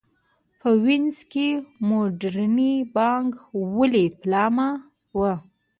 په وینز کې د موډرنې بانک والۍ پیلامه وه.